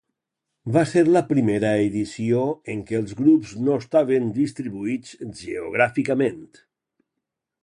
Va ser la primera edició en què els grups no estaven distribuïts geogràficament.